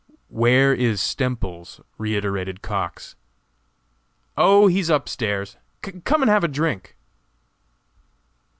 "Where is Stemples?" reiterated Cox. "Oh, he's up stairs. Come and have a drink?"